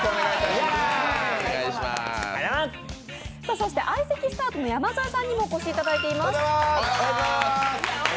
そして相席スタートの山添さんにもお越しいただいています。